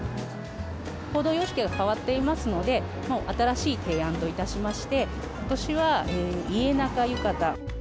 行動様式が変わっていますので、新しい提案といたしまして、ことしはイエナカゆかた。